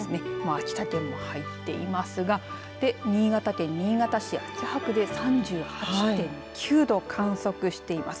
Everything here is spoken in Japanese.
秋田県も入っていますが新潟県新潟市秋葉区で３８．９度観測しています。